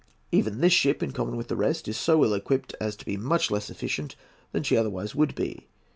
Even this ship, in common with the rest, is so ill equipped as to be much less efficient than she otherwise would be.